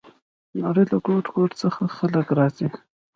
د نړۍ له ګوټ ګوټ څخه خلک راځي.